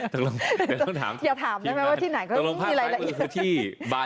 ตกลงภาพนี้คือที่บาหลีที่หน้า